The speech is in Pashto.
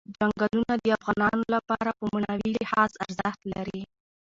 چنګلونه د افغانانو لپاره په معنوي لحاظ ارزښت لري.